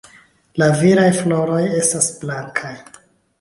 La viraj floroj estas blankaj.